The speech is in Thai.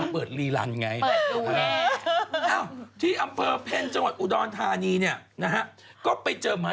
เดี๋ยวถ้าเกิดมันไม่ออกสีมานะเถอะ